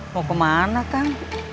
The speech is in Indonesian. mau kemana kang